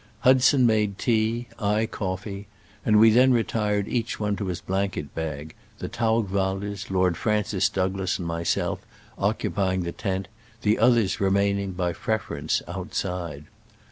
Hudson made tea, I coffee, and we then retired each one to his blanket bag, the Taugwalders, Lord Francis Douglas and myself occupying the tent, the others remaining, by prefer ence, outside.